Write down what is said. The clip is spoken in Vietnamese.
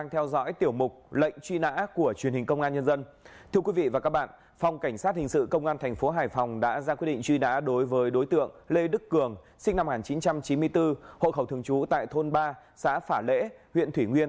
hãy đăng ký kênh để ủng hộ kênh của chúng mình nhé